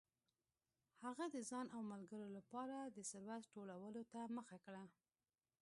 هغه د ځان او ملګرو لپاره د ثروت ټولولو ته مخه کړه.